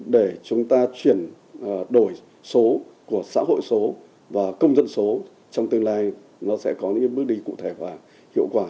để chúng ta chuyển đổi số của xã hội số và công dân số trong tương lai nó sẽ có những bước đi cụ thể và hiệu quả